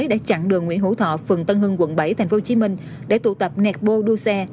đã chặn đường nguyễn hữu thọ phường tân hưng quận bảy tp hcm để tụ tập nẹt bô đua xe